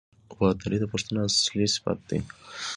وفاداري د پښتون اصلي صفت دی.